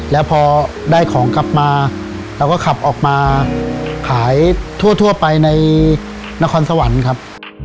แล้วพอได้ของกลับมาเราก็ขับออกมาขายทั่วไปในนครสวรรค์ครับ